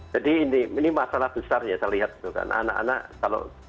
jadi ini masalah besar ya saya lihat